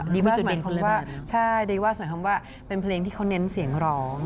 ดีวาสหมายความว่าเป็นเพลงที่เขาเน้นเสียงร้อง